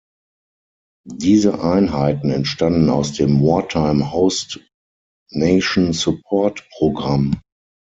Diese Einheiten entstanden aus dem "Wartime Host Nation Support Programm".